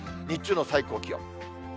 日中の最高気温。